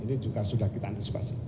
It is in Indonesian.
ini juga sudah kita antisipasi